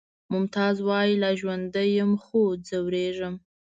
ممتاز وایی لا ژوندی یم خو ځورېږم